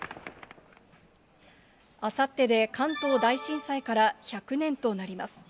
あさってで関東大震災から１００年となります。